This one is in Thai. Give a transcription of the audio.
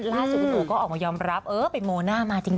ล่าสุดคุณโอย้มรับเป็นโมนหน้ามาจริง